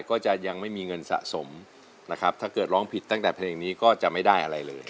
ก็จะยังไม่มีเงินสะสมนะครับถ้าเกิดร้องผิดตั้งแต่เพลงนี้ก็จะไม่ได้อะไรเลย